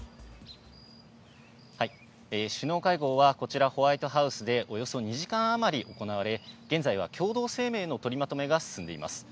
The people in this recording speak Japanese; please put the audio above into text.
首脳会合はこちら、ホワイトハウスでおよそ２時間余り行われ、現在は共同声明の取りまとめが進んでいます。